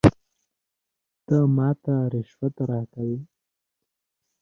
ته ماته رشوت راکوې ؟